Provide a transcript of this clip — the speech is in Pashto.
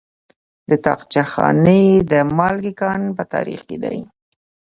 د طاقچه خانې د مالګې کان په تخار کې دی.